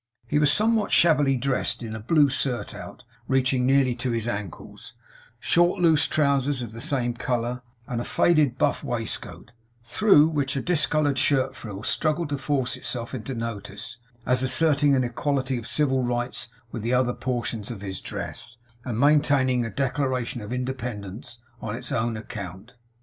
He was somewhat shabbily dressed in a blue surtout reaching nearly to his ankles, short loose trousers of the same colour, and a faded buff waistcoat, through which a discoloured shirt frill struggled to force itself into notice, as asserting an equality of civil rights with the other portions of his dress, and maintaining a declaration of Independence on its own account.